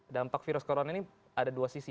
dampak virus corona ini ada dua sisi